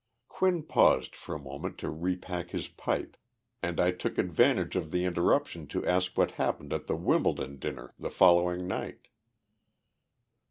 Quinn paused for a moment to repack his pipe and I took advantage of the interruption to ask what happened at the Wimbledon dinner the following night.